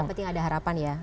penting ada harapan ya